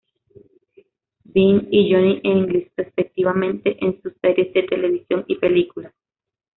Bean" y "Johnny English" respectivamente en sus series de televisión y películas.